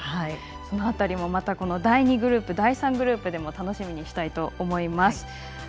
その辺りも第２グループ第３グループでも楽しみにしたいと思います。